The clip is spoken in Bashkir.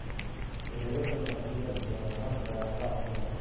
Терелеү генә түгел - яңынан сырағы асылыу.